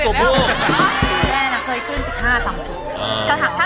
มันจะเกิด๑๕๑๖บาท